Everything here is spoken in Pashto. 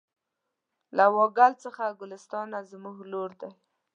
له وایګل تر ګلستانه زموږ لور دی